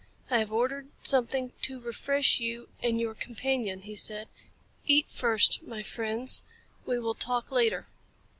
"I have ordered something to refresh you and your companion," he said. "Eat first, my friends. We will talk later."